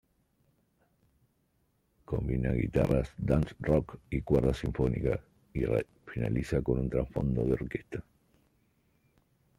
Combina guitarras "dance-rock" y cuerdas sinfónicas, y finaliza con un trasfondo de orquesta.